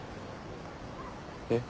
えっ？